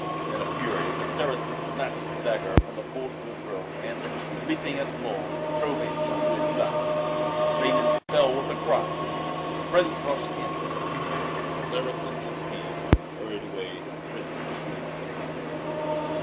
In a fury the Saracen snatched a dagger from the folds of his robe and, leaping at Lull, drove it into his side. Raymund fell with a cry. Friends rushed in. The Saracen was seized and hurried away to a prison cell, where he slew himself.